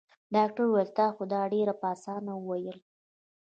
ډاکټر وويل تا خو دا ډېر په اسانه وويل.